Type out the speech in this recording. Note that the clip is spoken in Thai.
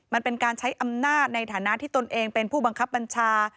มันเป็นการใช้อำนาจในฐานะที่ตนเองเป็นผู้บังคับบัญชา